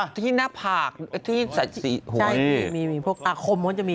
สักที่หน้าผากใช่อาคมว่าจะมี